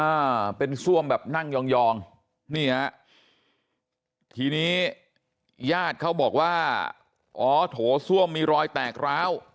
อ่าเป็นซ่วมแบบนั่งยองยองนี่ฮะทีนี้ญาติเขาบอกว่าอ๋อโถส้วมมีรอยแตกร้าว